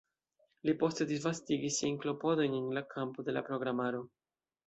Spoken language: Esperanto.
Li poste disvastigis siajn klopodojn en la kampo de la programaro.